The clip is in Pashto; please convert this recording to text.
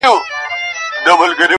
په عزت به یادېدی په قبیله کي٫